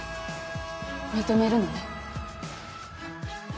認めるのね。